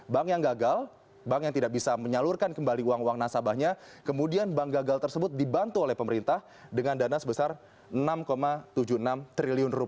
bank yang gagal bank yang tidak bisa menyalurkan kembali uang uang nasabahnya kemudian bank gagal tersebut dibantu oleh pemerintah dengan dana sebesar rp enam tujuh puluh enam triliun